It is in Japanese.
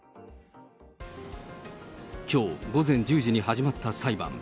きょう午前１０時に始まった裁判。